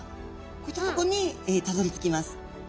こういったとこにたどりつきます。